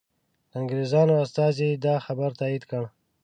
د انګریزانو استازي دا خبر تایید کړ.